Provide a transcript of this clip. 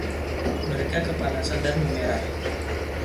Mereka kepanasan dan memerah.